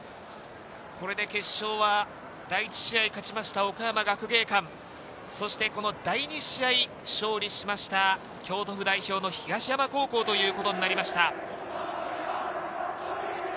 これで決勝は第１試合勝ちました岡山学芸館、そして第２試合に勝利しました、京都府代表の東山高校ということになりました。